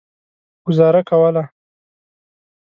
ګوزاره کوله.